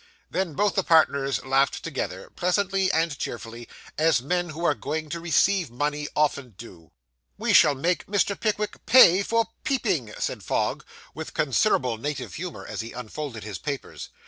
Then both the partners laughed together pleasantly and cheerfully, as men who are going to receive money often do. 'We shall make Mr. Pickwick pay for peeping,' said Fogg, with considerable native humour, as he unfolded his papers.